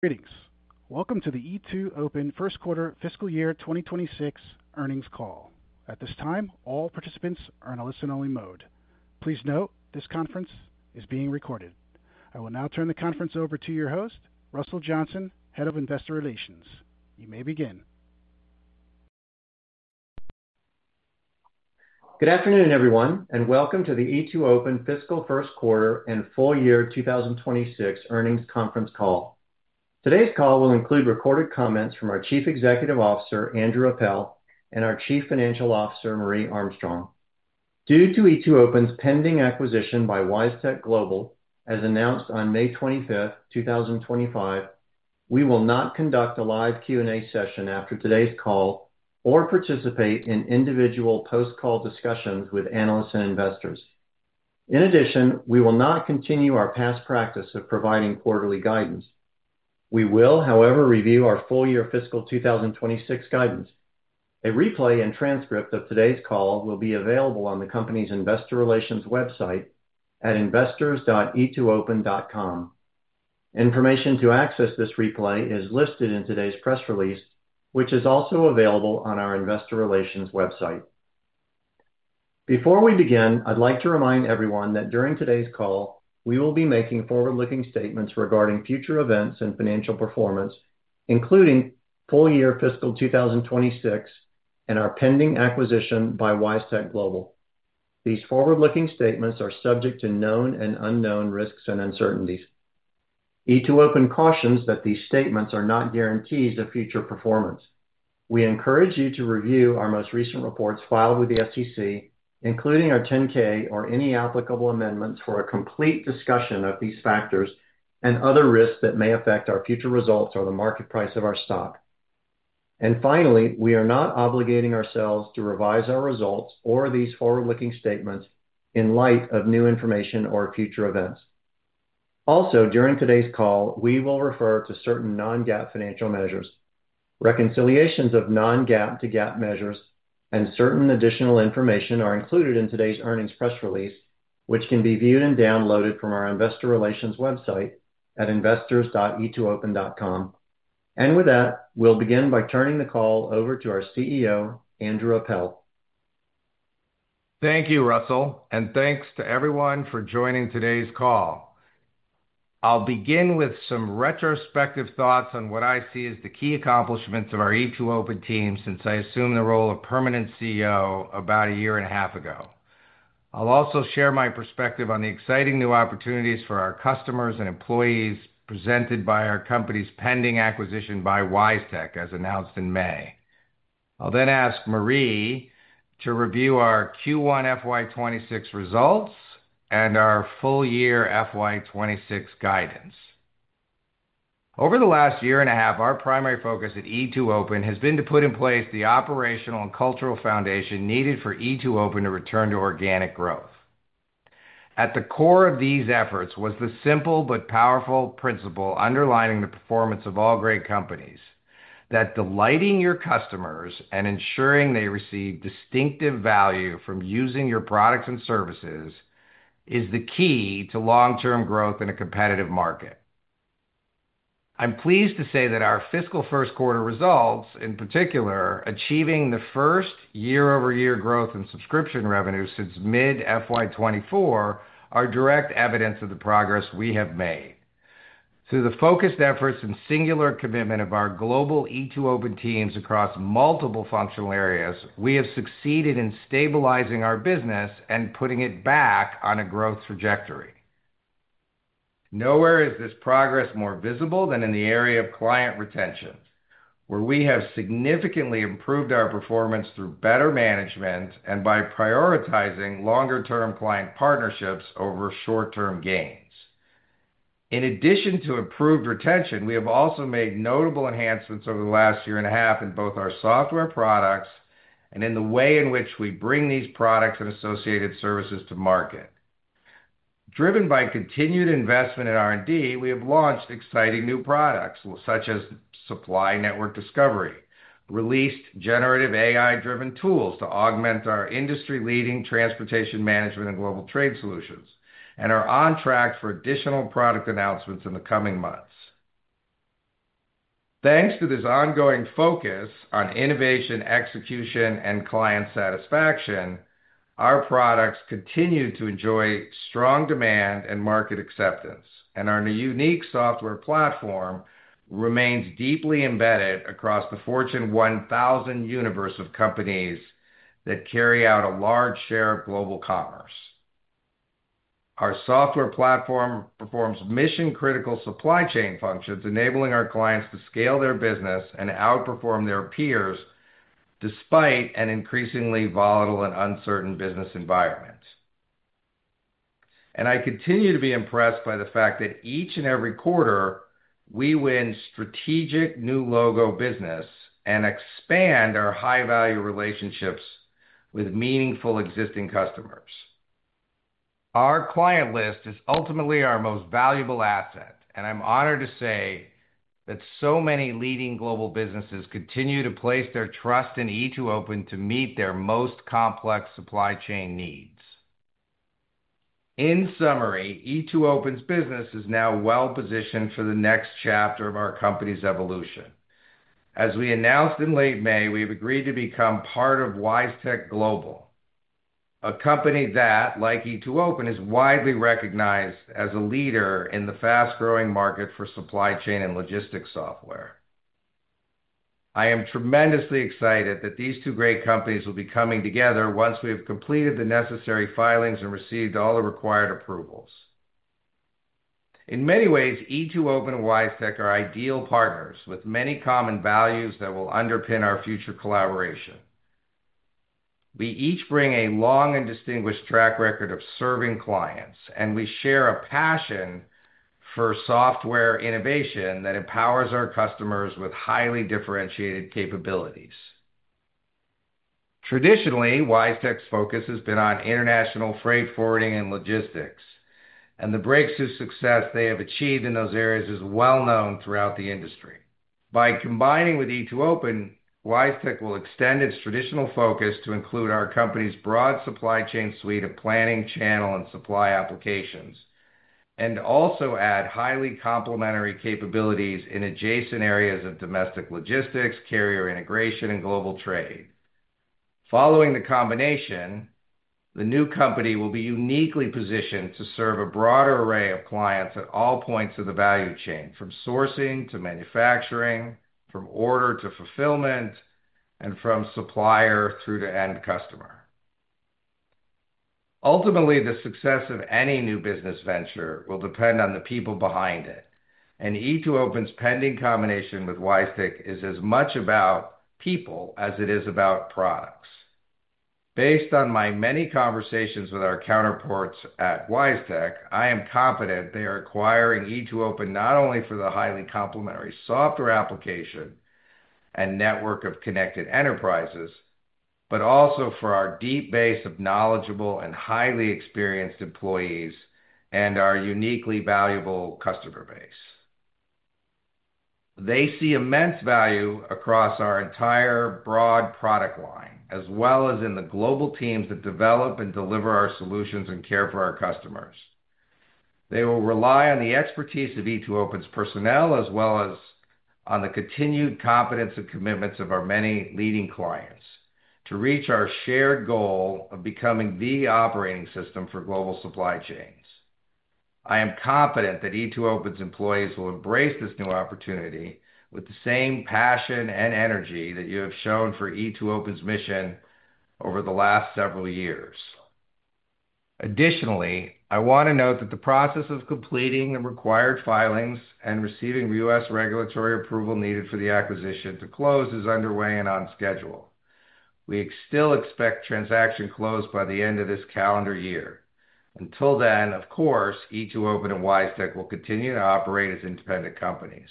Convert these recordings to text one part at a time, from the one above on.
Greetings. Welcome to the E2open first quarter fiscal year 2026 earnings call. At this time, all participants are in a listen-only mode. Please note this conference is being recorded. I will now turn the conference over to your host, Russell Johnson, Head of Investor Relations. You may begin. Good afternoon, everyone, and welcome to the E2open fiscal first quarter and full year 2026 earnings conference call. Today's call will include recorded comments from our Chief Executive Officer, Andrew Appel, and our Chief Financial Officer, Marje Armstrong. E2open's pending acquisition by WiseTech Global, as announced on May 25, 2025, we will not conduct a live Q&A session after today's call or participate in individual post-call discussions with analysts and investors. In addition, we will not continue our past practice of providing quarterly guidance. We will, however, review our full-year FY2026 guidance. A replay and transcript of today's call will be available on the company's Investor Relations website at investors.e2open.com. Information to access this replay is listed in today's press release, which is also available on our Investor Relations website. Before we begin, I'd like to remind everyone that during today's call, we will be making forward-looking statements regarding future events and financial performance, including full-year FY2026 and our pending acquisition by WiseTech Global. These forward-looking statements are subject to known and unknown risks E2open cautions that these statements are not guarantees of future performance. We encourage you to review our most recent reports filed with the SEC, including our 10-K or any applicable amendments for a complete discussion of these factors and other risks that may affect our future results or the market price of our stock. Finally, we are not obligating ourselves to revise our results or these forward-looking statements in light of new information or future events. Also, during today's call, we will refer to certain non-GAAP financial measures. Reconciliations of non-GAAP to GAAP measures and certain additional information are included in today's earnings press release, which can be viewed and downloaded from our Investor Relations website at investors.e2open.com. With that, we'll begin by turning the call over to our CEO, Andrew Appel. Thank you, Russell, and thanks to everyone for joining today's call. I'll begin with some retrospective thoughts on what I see as the key accomplishments of our E2open team since I assumed the role of permanent CEO about a year and a half ago. I'll also share my perspective on the exciting new opportunities for our customers and employees presented by our company's pending acquisition by WiseTech, as announced in May. I'll then ask Marje to review our Q1 FY2026 results and our full-year FY2026 guidance. Over the last year and a half, our primary focus at E2open has been to put in place the operational and cultural foundation needed for E2open to return to organic growth. At the core of these efforts was the simple but powerful principle underlining the performance of all great companies: that delighting your customers and ensuring they receive distinctive value from using your products and services is the key to long-term growth in a competitive market. I'm pleased to say that our fiscal first quarter results, in particular achieving the first year-over-year growth in subscription revenue since mid-FY2024, are direct evidence of the progress we have made. Through the focused efforts and singular commitment of our global E2open teams across multiple functional areas, we have succeeded in stabilizing our business and putting it back on a growth trajectory. Nowhere is this progress more visible than in the area of client retention, where we have significantly improved our performance through better management and by prioritizing longer-term client partnerships over short-term gains. In addition to improved retention, we have also made notable enhancements over the last year and a half in both our software products and in the way in which we bring these products and associated services to market. Driven by continued investment in R&D, we have launched exciting new products such as supply network discovery, released generative AI-driven tools to augment our industry-leading transportation management and global trade solutions, and are on track for additional product announcements in the coming months. Thanks to this ongoing focus on innovation, execution, and client satisfaction, our products continue to enjoy strong demand and market acceptance, and our unique software platform remains deeply embedded across the Fortune 1000 universe of companies that carry out a large share of global commerce. Our software platform performs mission-critical supply chain functions, enabling our clients to scale their business and outperform their peers despite an increasingly volatile and uncertain business environment. I continue to be impressed by the fact that each and every quarter we win strategic new logo business and expand our high-value relationships with meaningful existing customers. Our client list is ultimately our most valuable asset, and I'm honored to say that so many leading global businesses continue to place their E2open to meet their most complex supply chain needs. E2open's business is now well positioned for the next chapter of our company's evolution. As we announced in late May, we have agreed to become part of WiseTech Global, a company E2open, is widely recognized as a leader in the fast-growing market for supply chain and logistics software. I am tremendously excited that these two great companies will be coming together once we have completed the necessary filings and received all the required approvals. In E2open and WiseTech Global are ideal partners with many common values that will underpin our future collaboration. We each bring a long and distinguished track record of serving clients, and we share a passion for software innovation that empowers our customers with highly differentiated capabilities. Traditionally, WiseTech Global's focus has been on international freight forwarding and logistics, and the breakthrough success they have achieved in those areas is well known throughout the industry. By E2open, WiseTech global will extend its traditional focus to include our company's broad supply chain suite of planning, channel, and supply applications, and also add highly complementary capabilities in adjacent areas of domestic logistics, carrier integration, and global trade. Following the combination, the new company will be uniquely positioned to serve a broader array of clients at all points of the value chain, from sourcing to manufacturing, from order to fulfillment, and from supplier through to end customer. Ultimately, the success of any new business venture will depend on the people behind E2open's pending combination with WiseTech Global is as much about people as it is about products. Based on my many conversations with our counterparts at WiseTech, I am confident they are acquiring E2open not only for the highly complementary software application and network of connected enterprises, but also for our deep base of knowledgeable and highly experienced employees and our uniquely valuable customer base. They see immense value across our entire broad product line, as well as in the global teams that develop and deliver our solutions and care for our customers. They will rely on the expertise of E2open's personnel, as well as on the continued competence and commitments of our many leading clients to reach our shared goal of becoming the operating system for global supply chains. I am confident that E2open's employees will embrace this new opportunity with the same passion and energy that you have shown for E2open's mission over the last several years. Additionally, I want to note that the process of completing the required filings and receiving U.S. regulatory approval needed for the acquisition to close is underway and on schedule. We still expect transaction close by the end of this calendar year. Until then, of course, E2open and WiseTech will continue to operate as independent companies.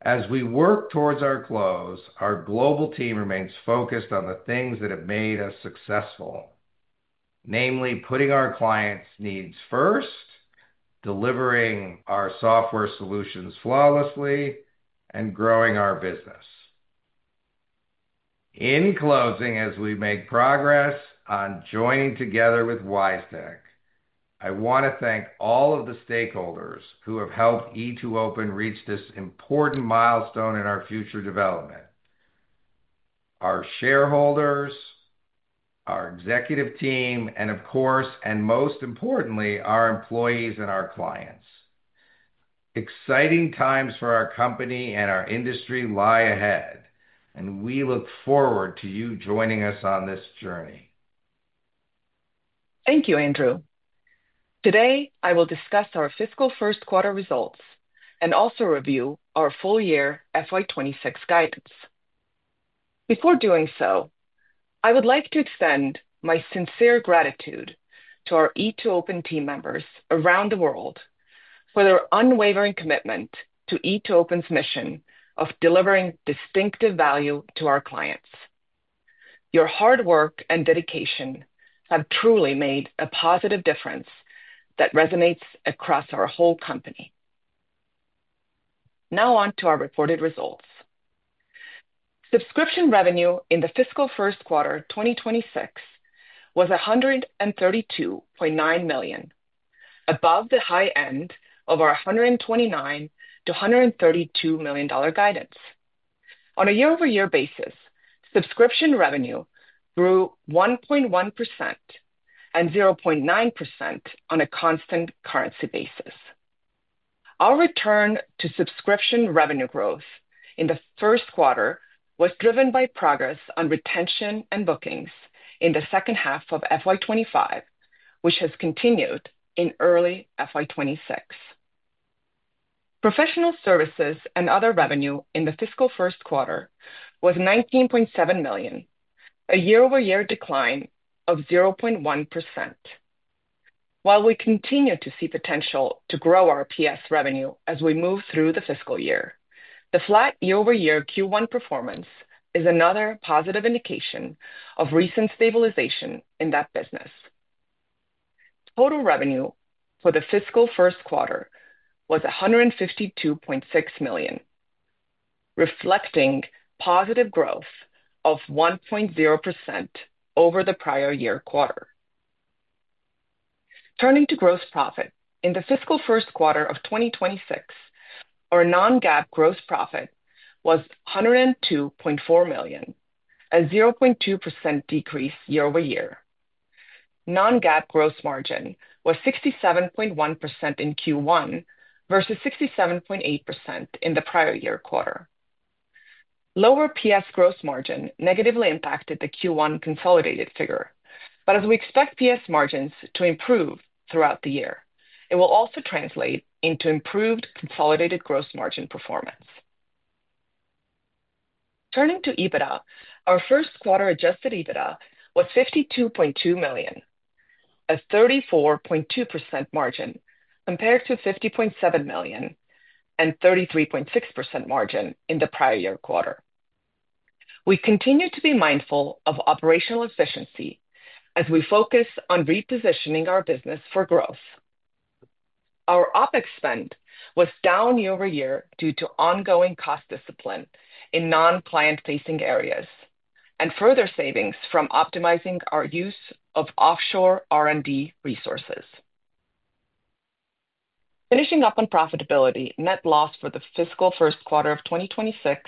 As we work towards our close, our global team remains focused on the things that have made us successful, namely putting our clients' needs first, delivering our software solutions flawlessly, and growing our business. In closing, as we make progress on joining together with WiseTech, I want to thank all of the stakeholders who have helped E2open reach this important milestone in our future development: our shareholders, our executive team, and of course, and most importantly, our employees and our clients. Exciting times for our company and our industry lie ahead, and we look forward to you joining us on this journey. Thank you, Andrew. Today, I will discuss our fiscal first quarter results and also review our full-year FY2026 guidance. Before doing so, I would like to extend my sincere gratitude to our E2open team members around the world for their unwavering commitment to E2open's mission of delivering distinctive value to our clients. Your hard work and dedication have truly made a positive difference that resonates across our whole company. Now on to our reported results. Subscription revenue in the fiscal first quarter 2026 was $132.9 million, above the high end of our $129 million-$132 million guidance. On a year-over-year basis, subscription revenue grew 1.1% and 0.9% on a constant currency basis. Our return to subscription revenue growth in the first quarter was driven by progress on retention and bookings in the second half of FY2025, which has continued in early FY2026. Professional Services and Other Revenue in the fiscal first quarter was $19.7 million, a year-over-year decline of 0.1%. While we continue to see potential to grow our PS revenue as we move through the fiscal year, the flat year-over-year Q1 performance is another positive indication of recent stabilization in that business. Total revenue for the fiscal first quarter was $152.6 million, reflecting positive growth of 1.0% over the prior year quarter. Turning to gross profit, in the fiscal first quarter of 2026, our Non-GAAP Gross Profit was $102.4 million, a 0.2% decrease year-over-year. Non-GAAP Gross Margin was 67.1% in Q1 versus 67.8% in the prior year quarter. Lower PS gross margin negatively impacted the Q1 consolidated figure, but as we expect PS margins to improve throughout the year, it will also translate into improved consolidated gross margin performance. Turning to EBITDA, our first quarter Adjusted EBITDA was $52.2 million, a 34.2% margin compared to $50.7 million and a 33.6% margin in the prior year quarter. We continue to be mindful of operational efficiency as we focus on repositioning our business for growth. Our OPEX spend was down year-over-year due to ongoing cost discipline in non-client-facing areas and further savings from optimizing our use of offshore R&D resources. Finishing up on profitability, Net Loss for the fiscal first quarter of 2026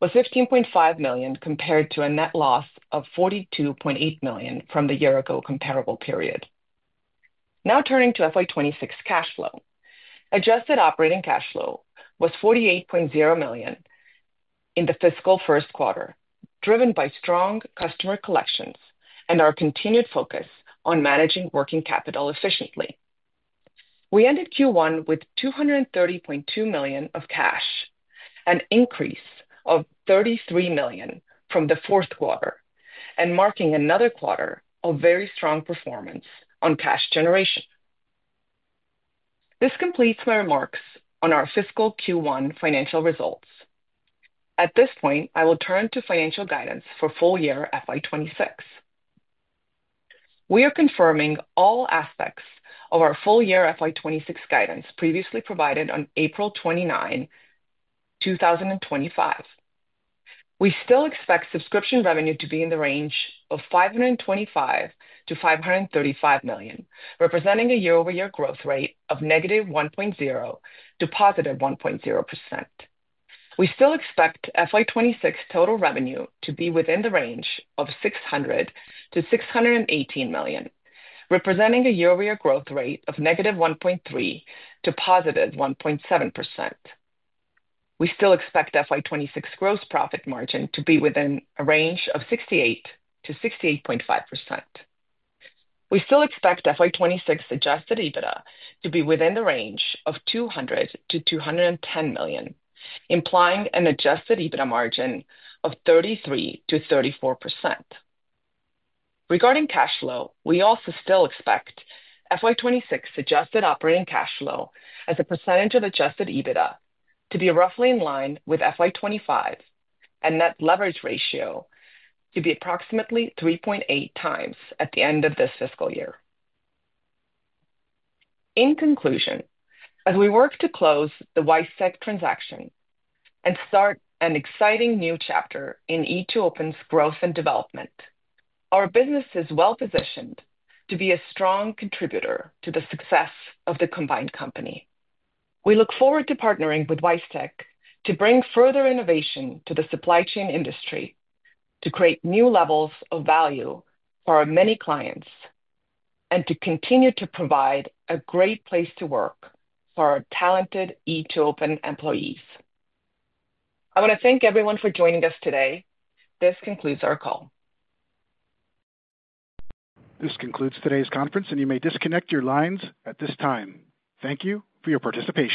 was $15.5 million compared to a Net Loss of $42.8 million from the year-ago comparable period. Now turning to FY2026 cash flow, adjusted operating cash flow was $48.0 million in the fiscal first quarter, driven by strong customer collections and our continued focus on managing working capital efficiently. We ended Q1 with $230.2 million of cash, an increase of $33 million from the fourth quarter, marking another quarter of very strong performance on cash generation. This completes my remarks on our fiscal Q1 financial results. At this point, I will turn to financial guidance for full-year FY2026. We are confirming all aspects of our full-year FY2026 guidance previously provided on April 29, 2025. We still expect subscription revenue to be in the range of $525 million-$535 million, representing a year-over-year growth rate of -1.0% to positive 1.0%. We still expect FY2026 total revenue to be within the range of $600 million-$618 million, representing a year-over-year growth rate of -1.3% to positive 1.7%. We still expect FY2026 gross profit margin to be within a range of 68%-68.5%. We still expect FY2026 adjusted EBITDA to be within the range of $200 million-$210 million, implying an adjusted EBITDA margin of 33%-34%. Regarding cash flow, we also still expect FY2026 adjusted operating cash flow as a percentage of adjusted EBITDA to be roughly in line with FY2025, and net leverage ratio to be approximately 3.8x at the end of this fiscal year. In conclusion, as we work to close the WiseTech Global transaction and start an exciting new E2open's growth and development, our business is well positioned to be a strong contributor to the success of the combined company. We look forward to partnering with WiseTech Global to bring further innovation to the supply chain industry, to create new levels of value for our many clients, and to continue to provide a great place to work for E2open employees. I want to thank everyone for joining us today. This concludes our call. This concludes today's conference, and you may disconnect your lines at this time. Thank you for your participation.